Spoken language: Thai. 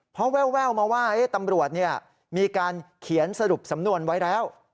เพราะแววมาว่าตำรวจมีการเขียนสรุปสำนวนไว้แล้ว